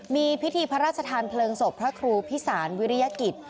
มีพิธีพระราชทานเพลิงศพพระครูพิสารวิริยกิจ